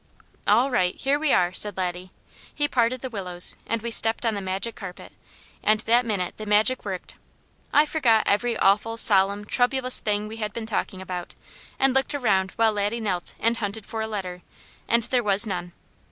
"All right! Here we are!" said Laddie. He parted the willows and we stepped on the Magic Carpet, and that minute the Magic worked. I forgot every awful, solemn, troublous thing we had been talking about, and looked around while Laddie knelt and hunted for a letter, and there was none.